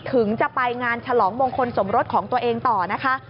ถึงจะไปงานฉลองมงคลสมรสของตัวเองต่อนะคะ